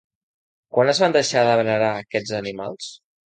Quan es van deixar de venerar aquests animals?